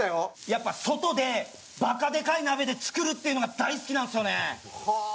やっぱ外でバカでかい鍋で作るっていうのが大好きなんですよね。